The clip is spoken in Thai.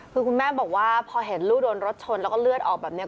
คือคุณแม่บอกว่าพอเห็นลูกโดนรถชนแล้วก็เลือดออกแบบนี้